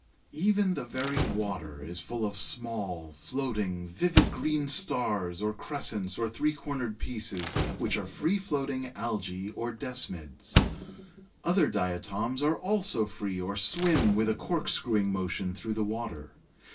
Even the very water is full of small, floating, vivid green stars or crescents or three cornered pieces which are free floating Algæ or Desmids. Other diatoms are also free or swim with a cork screwing motion through the water.